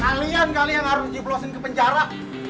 kalian kalian harus diblosin ke penjara